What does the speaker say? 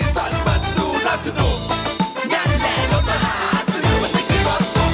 สวัสดีครับ